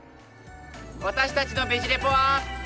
私たちの「ベジ・レポ」は。